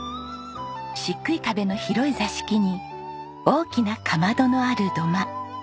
漆喰壁の広い座敷に大きなかまどのある土間。